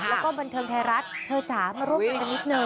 แล้วก็บันเทิงไทยรัฐเธอจ๋ามาร่วมงานกันนิดนึ